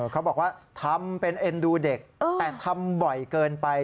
เขาบอกว่าทำเป็นเอ็นดูเด็กแต่ทำบ่อยเกินไป